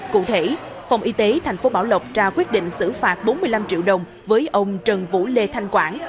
cụ thể phòng y tế tp bảo lộc ra quyết định xử phạt bốn mươi năm triệu đồng với ông trần vũ lê thanh quảng